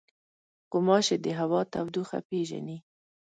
غوماشې د هوا تودوخه پېژني.